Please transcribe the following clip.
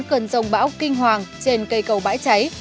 cơn rông bão kinh hoàng trên cây cầu bãi cháy